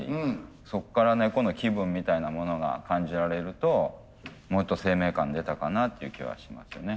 そっから猫の気分みたいなものが感じられるともっと生命感出たかなっていう気はしますね。